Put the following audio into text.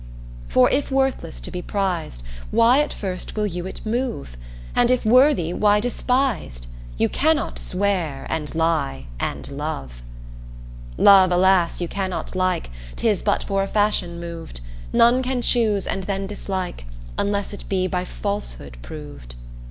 For if worthless to be prized Why at first will you it move, And if worthy, why despised? You cannot swear, and lie, and love. Love (alas) you cannot like 'Tis but for a fashion moved None can choose, and then dislike Unless it be by falsehood proved.